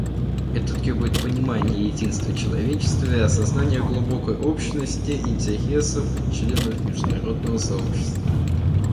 Это требует понимания единства человечества и осознания глубокой общности интересов членов международного сообщества.